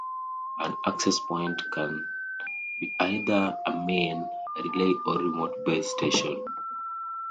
An access point can be either a main, relay or remote base station.